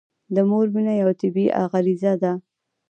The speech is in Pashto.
د مور مینه یوه طبیعي غريزه ده.